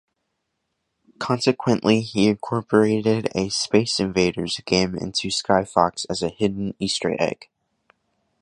Consequently, he incorporated a "Space Invaders" game into "Skyfox" as a hidden Easter egg.